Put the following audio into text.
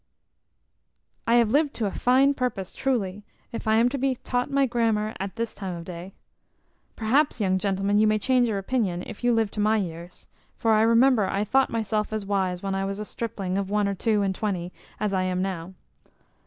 I have lived to a fine purpose, truly, if I am to be taught my grammar at this time of day. Perhaps, young gentleman, you may change your opinion, if you live to my years: for I remember I thought myself as wise when I was a stripling of one or two and twenty as I am now.